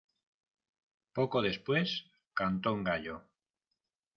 poco después cantó un gallo.